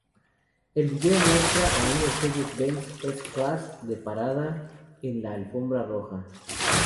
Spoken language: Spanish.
El video muestra a un Mercedes-Benz S-Class de parada en la alfombra roja.